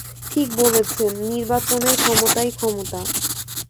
ঠিক বলেছেন– নির্বাচনের ক্ষমতাই ক্ষমতা।